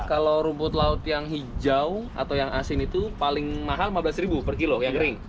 kalau rumput laut yang hijau atau yang asin itu paling mahal rp lima belas per kilo yang kering